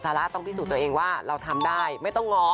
ระต้องพิสูจน์ตัวเองว่าเราทำได้ไม่ต้องง้อ